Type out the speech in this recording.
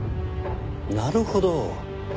なるほど。